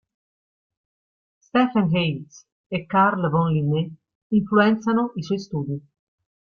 Stephen Hales e Carl von Linné influenzano i suoi studi.